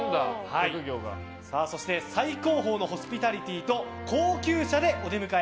そして最高峰のホスピタリティーと高級車でお出迎え。